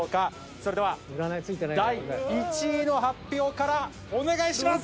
それでは第１位の発表からお願いします。